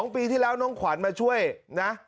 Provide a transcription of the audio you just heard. ปีที่แล้วน้องขวัญมาช่วยนะ